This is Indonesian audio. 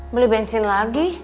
beli bensin lagi